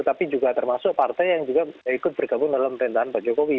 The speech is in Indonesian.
tapi juga termasuk partai yang juga ikut bergabung dalam pemerintahan pak jokowi